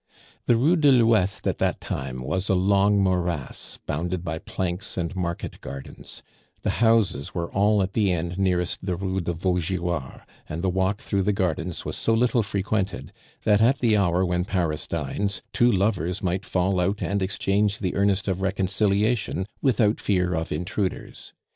The Rue de l'Ouest at that time was a long morass, bounded by planks and market gardens; the houses were all at the end nearest the Rue de Vaugirard; and the walk through the gardens was so little frequented, that at the hour when Paris dines, two lovers might fall out and exchange the earnest of reconciliation without fear of intruders.